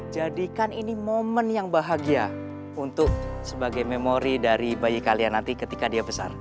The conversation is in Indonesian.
jadikan ini momen yang bahagia untuk sebagai memori dari bayi kalian nanti ketika dia besar